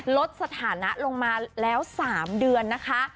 ลดสถานะลงมาแล้ว๓เดือนนะคะ